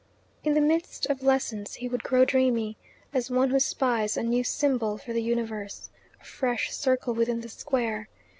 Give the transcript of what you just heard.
In the midst of lessons he would grow dreamy, as one who spies a new symbol for the universe, a fresh circle within the square.